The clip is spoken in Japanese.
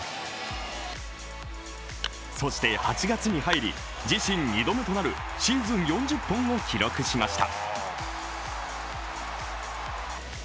そして８月に入り自身２度目となるシーズン４０本を記録しました。